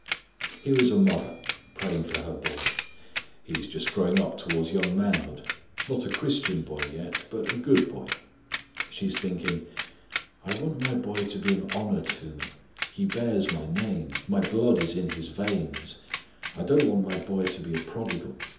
Here is a mother praying for her boy. He is just growing up towards young manhood; not a Christian boy yet; but a good boy. She is thinking, "I want my boy to be an honour to me; he bears my name; my blood is in his veins; I don't want my boy to be a prodigal.